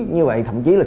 như vậy thậm chí là